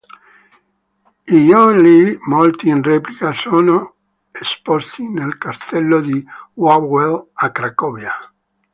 I gioielli, molti in replica, sono esposti nel Castello di Wawel a Cracovia.